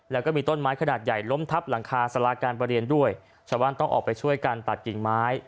แล้วก็มีต้นไม้ขนาดใหญ่ล้มทับหลังคาสาราการประเรียนด้วยชาวบ้านต้องออกไปช่วยกันตัดกิ่งไม้